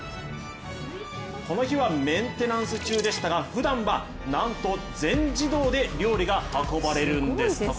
この日はメンテナンス中でしたがふだんはなんと全自動で料理が運ばれるんです。